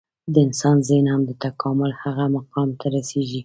د انسان ذهن هم د تکامل هغه مقام ته رسېږي.